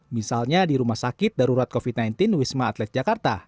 misalnya di rumah sakit darurat covid sembilan belas wisma atlet jakarta